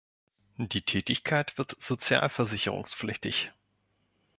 Die Tätigkeit wird sozialversicherungspflichtig.